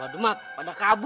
waduh mak pada kabur